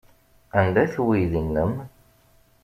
Anda-t weydi-nnem?